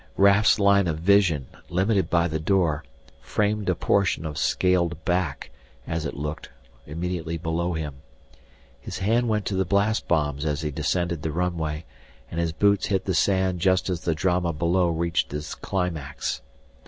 Raf's line of vision, limited by the door, framed a portion of scaled back, as it looked, immediately below him. His hand went to the blast bombs as he descended the runway, and his boots hit the sand just as the drama below reached its climax.